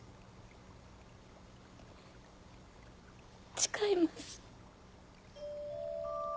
誓います。